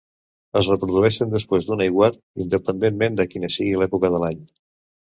Es reprodueix després d'un aiguat independentment de quina sigui l'època de l'any.